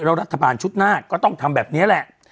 แล้วรัฐบาลชุดหน้าก็ต้องทำแบบนี้แหละ